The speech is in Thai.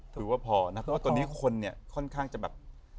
ถือว่าพอนะเพราะว่าตอนนี้คนเนี่ยค่อนข้างจะแบบ